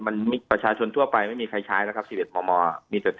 ไข้แล้วครับ๑๑บม